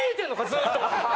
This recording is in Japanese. ずっと。